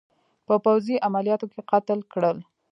په پوځي عملیاتو کې قتل کړل.